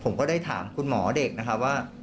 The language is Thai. ผมก็ได้ถามคุณหมอเด็กนะครับว่า